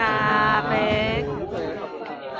รักรักรัก